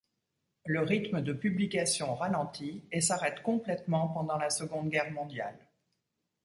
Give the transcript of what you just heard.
Le rythme de publication ralentit, et s'arrête complètement pendant la Seconde Guerre mondiale.